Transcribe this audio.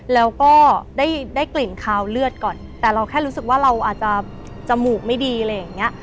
แล้วก็ได้กลิ่นคาวเลือดก่อนแต่เราแค่รู้สึกว่าเราอาจจะจมูกไม่ดีอะไรอย่างเงี้ย